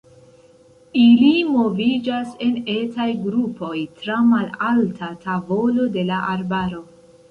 Ili moviĝas en etaj grupoj tra malalta tavolo de la arbaro.